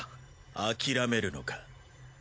諦めるのか？